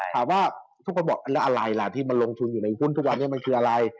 ถามว่าทุกคนบอกแล้วอะไรล่ะที่มันลงทุนอยู่ในหุ้นทุกวันนี้มันคืออะไร